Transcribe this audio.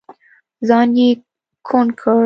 ځان يې کوڼ کړ.